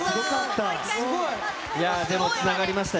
でもつながりましたよ。